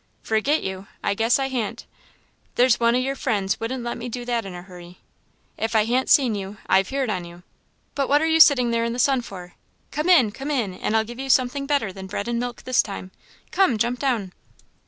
Forget you? I guess I han't! There's one o' your friends wouldn't let me do that in a hurry. If I han't seen you, I've heered on you. But what are you sitting there in the sun for? Come in come in and I'll give you something better than bread and milk this time. Come! jump down."